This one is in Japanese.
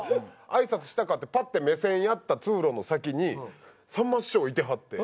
「挨拶したか？」ってパッて目線やった通路の先にさんま師匠がいてはって。